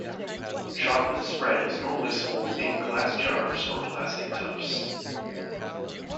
Chocolate spread is normally sold in glass jars or plastic tubs.